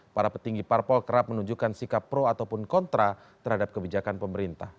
para petinggi parpol kerap menunjukkan sikap pro ataupun kontra terhadap kebijakan pemerintah